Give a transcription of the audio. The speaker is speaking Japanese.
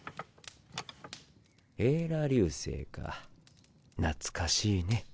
エーラ流星か懐かしいね。